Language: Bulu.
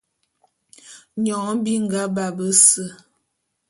Nyone nhe binga ba bese.